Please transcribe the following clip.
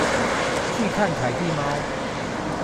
拒看凱蒂貓